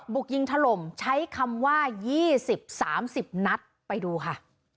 บุกยิงถล่มใช้คำว่ายี่สิบสามสิบนัดไปดูค่ะ